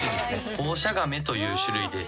ホウシャガメという種類です。